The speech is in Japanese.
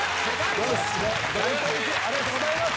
ありがとうございます。